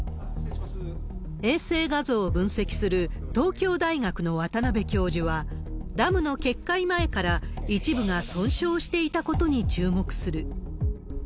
衛星画像を分析する東京大学の渡邉教授は、ダムの決壊前から一部が損傷していたことに注目する。